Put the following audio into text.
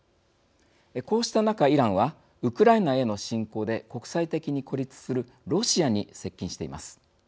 こうした中、イランはウクライナへの侵攻で国際的に孤立するロシアに接近しています。